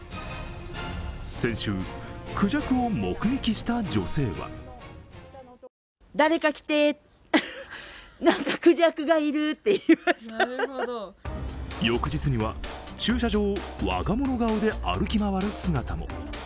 先週くじゃくを目撃した女性は翌日には駐車場をわがもの顔で歩き回る姿も。